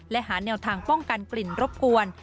และหาแนวทางป้องกันกลิ่นรบกวน